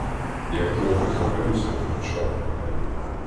Як трохи забарюся, то нічого.